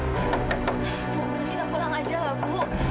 ibu kita pulang aja lah bu